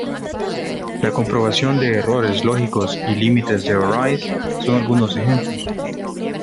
La comprobación de errores lógicos y límites de arrays son algunos ejemplos.